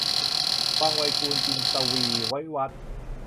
วังไวกูณฑ์ - จินตวีร์ วิวัธน์